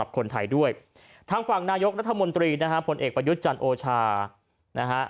คนไทยด้วยทางฝั่งนายกรัฐมนตรีนะฮะผลเอกประยุทธ์จันทร์โอชานะฮะ